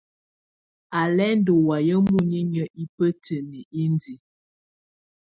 Á lɛ́ ndɔ́ wayɛ̀á muninyǝ́ ibǝ́tǝ́niǝ́ indiǝ.